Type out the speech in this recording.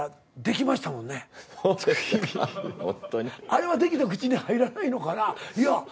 あれはできた口に入らないのかな。